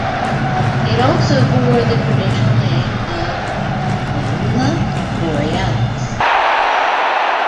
It also bore the traditional name of "Alula Borealis".